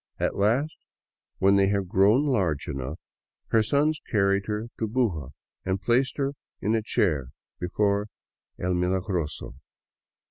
At last, when they had grown large enough, her sons carried her to Buga and placed her in a chair before El Milagroso.